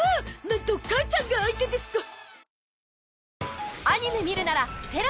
なんと母ちゃんが相手ですか